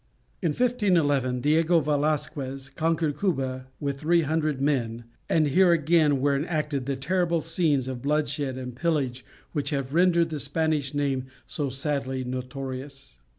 In 1511 Diego Velasquez conquered Cuba with 300 men, and here again were enacted the terrible scenes of bloodshed and pillage which have rendered the Spanish name so sadly notorious.